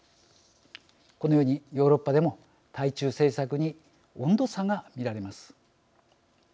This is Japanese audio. このようにヨーロッパでも対中政策に温度差が見られます。